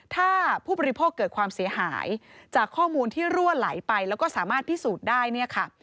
ถ้าผู้บริโภคเกิดความเสียหายจากข้อมูลที่รั่วไหลไปแล้วก็สามารถพิสูจน์ได้เนี่ยค่ะ